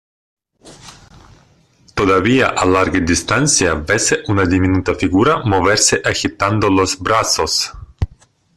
todavía a larga distancia vese una diminuta figura moverse agitando los brazos,